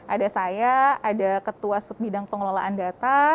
ada saya ada ketua sub bidang pengelolaan data